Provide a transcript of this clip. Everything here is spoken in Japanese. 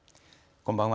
こんばんは。